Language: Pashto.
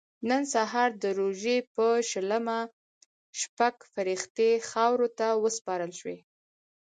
نن سهار د روژې په شلمه شپږ فرښتې خاورو ته وسپارل شوې.